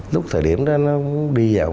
lúc thời điểm đó nó đi vào